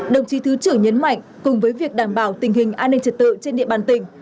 đồng chí thứ trưởng nhấn mạnh cùng với việc đảm bảo tình hình an ninh trật tự trên địa bàn tỉnh